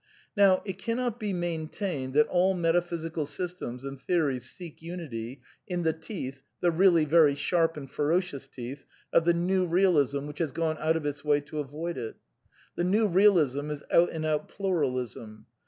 Now it cannot be maintained that all metaphysical sys tems and theories seek unity, in the teeth — the really very sharp and ferocious teeth — of the New Bealism which has gone out of its way to avoid it. The New Realism is out and out Pluralism.